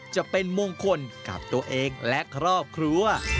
จะเป็นมงคลกับตัวเองและครอบครัว